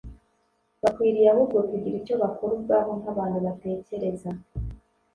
bakwiriye ahubwo kugira icyo bakora ubwabo nk'abantu batekereza